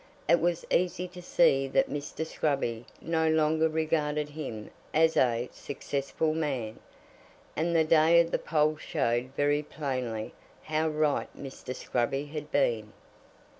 It was easy to see that Mr. Scruby no longer regarded him as a successful man, and the day of the poll showed very plainly how right Mr. Scruby had been.